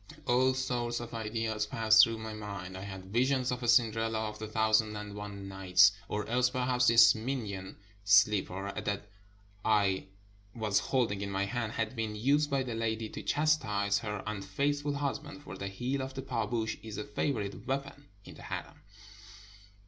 All sorts of ideas passed through my mind: I had visions of a Cinderella of the "Thousand and One Nights," or else perhaps this mignon shpper that I was holding in my hand had been used by the lady to chastise her un faithful husband, for the heel of the pahhoush is a favorite weapon in the harem.